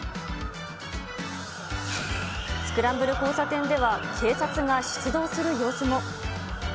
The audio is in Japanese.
スクランブル交差点では警察が出動する様子も。